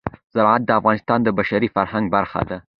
زراعت د افغانستان د بشري فرهنګ برخه ده.